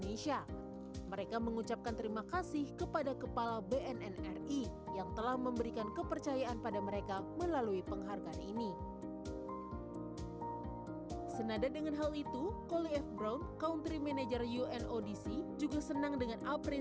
pemberian ini menunjukkan dukungan anda kepada komitmen kita yang kuat dalam berjuang melawan kesehatan dan penyakit karena dedikasi anda yang tinggi untuk memperlindungi dan menerima pencegahan gelap narkotika